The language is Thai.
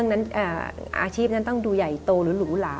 อาชีพนั้นต้องดูใหญ่โตหรือหรูหลา